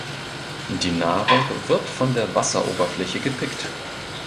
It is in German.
Die Nahrung wird von der Wasseroberfläche gepickt.